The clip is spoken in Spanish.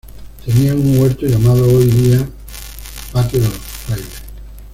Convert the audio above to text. Tenían un huerto llamado hoy en día patio de los Frailes.